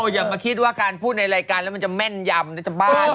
อย่ามาคิดว่าการพูดในรายการแล้วมันจะแม่นยำจะบ้า